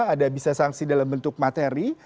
ada bisa sanksi dalam bentuk materi